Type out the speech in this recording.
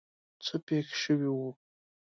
څه پېښ شوي وو.